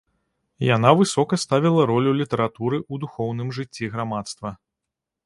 Яна высока ставіла ролю літаратуры ў духоўным жыцці грамадства.